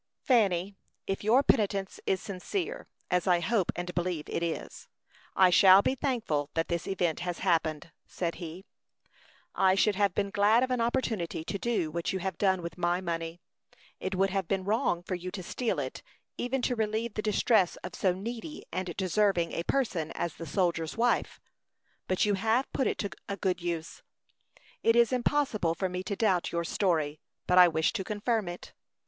"Fanny, if your penitence is sincere, as I hope and believe it is, I shall be thankful that this event has happened," said he. "I should have been glad of an opportunity to do what you have done with my money. It would have been wrong for you to steal it, even to relieve the distress of so needy and deserving a person as the soldier's wife; but you have put it to a good use. It is impossible for me to doubt your story, but I wish to confirm it.